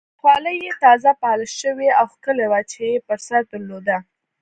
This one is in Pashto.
خولۍ یې تازه پالش شوې او ښکلې وه چې یې پر سر درلوده.